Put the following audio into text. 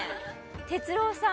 哲朗さん